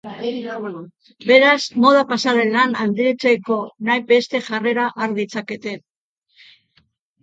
Beraz, moda pasarelan aritzeko nahi beste jarrera har ditzakete.